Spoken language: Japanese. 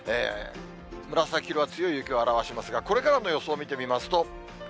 紫色は強い雪を表しますが、これからの予想見てみますと。